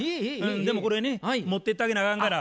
でもこれね持ってってあげなあかんから。